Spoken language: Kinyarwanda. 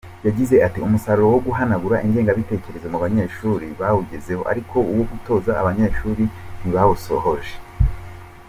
Yagize ati “Umusaruro wo guhanagura ingengabitekerezo mu banyeshuri bawugezeho ariko uwo gutoza abanyeshuri ntibawusohoje.